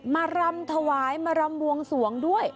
รำถวายมารำบวงสวงด้วย